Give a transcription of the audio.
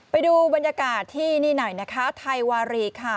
ไปดูบรรยากาศที่นี่หน่อยนะคะไทยวารีค่ะ